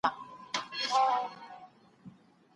مهرباني وکړئ، موږ ته ډېري مڼې راوړئ.